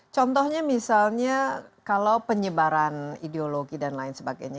contohnya misalnya kalau penyebaran ideologi dan lain sebagainya